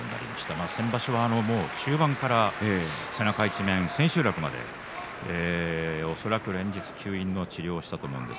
先場所は中盤から背中一面千秋楽まで恐らく連日吸引の治療をしたと思います。